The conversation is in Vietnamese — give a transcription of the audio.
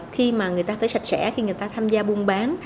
khi mà người ta phải sạch sẽ khi người ta tham gia buôn bán